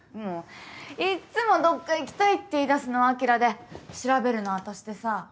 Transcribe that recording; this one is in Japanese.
いっつもどっか行きたいって言いだすのは晶で調べるのあたしでさ。